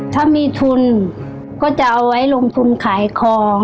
ถ้ามีทุนก็จะเอาไว้ลงทุนขายของ